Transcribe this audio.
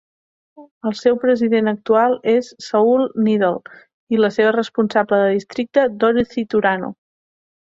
El seu president actual és Saul Needle i la seva responsable de districte Dorothy Turano.